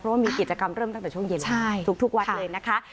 เพราะว่ามีกิจกรรมเริ่มตั้งแต่ช่วงเย็นทุกวัดเลยนะคะ